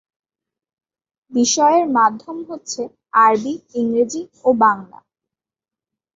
বিষয়ের মাধ্যম হচ্ছে আরবি, ইংরেজি ও বাংলা।